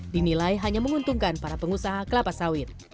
dinilai hanya menguntungkan para pengusaha kelapa sawit